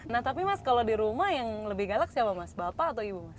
nah tapi mas kalau di rumah yang lebih galak siapa mas bapak atau ibu mas